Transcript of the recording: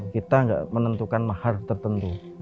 kita nggak menentukan mahar tertentu